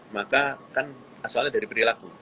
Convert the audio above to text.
maka kan asalnya dari perilaku